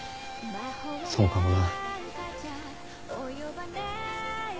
そうかもな。